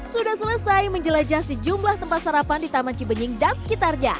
sudah selesai menjelajah sejumlah tempat sarapan di taman cibenying dan sekitarnya